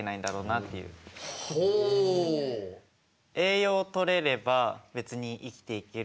栄養とれれば別に生きていける。